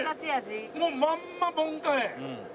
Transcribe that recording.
もうまんまボンカレー！